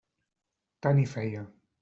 Tant hi feia.